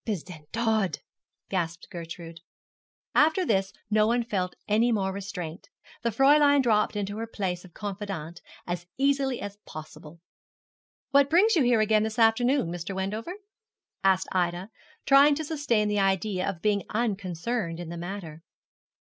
'Bis den Tod,' gasped Gertrude. After this no one felt any more restraint. The Fräulein dropped into her place of confidante as easily as possible. 'What brings you here again this afternoon, Mr. Wendover?' asked Ida, trying to sustain the idea of being unconcerned in the matter.